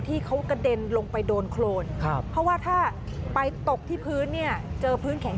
ที่เขากระเด็นลงไปโดนโครนครับเพราะว่าถ้าไปตกที่พื้นเนี่ยเจอพื้นแข็ง